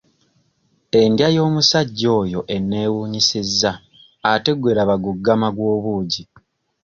Endya y'omusajja oyo eneewunyisizza ate gwe laba guggama gw'obuugi.